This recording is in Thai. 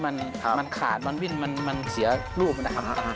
มันขาดมันวิ่นมันเสียรูปมันนะครับ